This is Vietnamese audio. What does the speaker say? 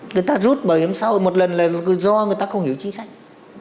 người ta rút bảo hiểm xã hội một lần là do người ta không hiểu chính sách